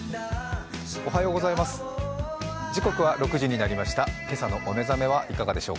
おはようございます。